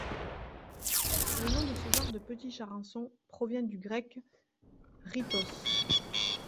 Le nom de ce genre de petits charançons provient du grec σῖτος.